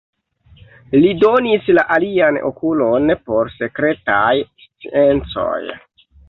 Li donis la alian okulon por sekretaj sciencoj.